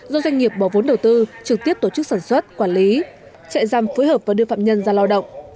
do doanh nghiệp bỏ vốn đầu tư trực tiếp tổ chức sản xuất quản lý trại giam phối hợp và đưa phạm nhân ra lao động